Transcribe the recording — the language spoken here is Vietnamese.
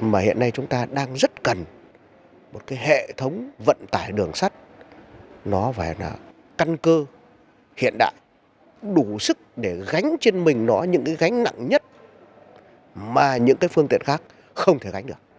mà hiện nay chúng ta đang rất cần một hệ thống vận tải đường sắt nó phải là căn cơ hiện đại đủ sức để gánh trên mình nó những cái gánh nặng nhất mà những cái phương tiện khác không thể gánh được